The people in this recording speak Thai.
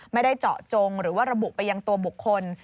ไม่ได้เจาะจงหรือว่าระบุไปยังตัวบุคคล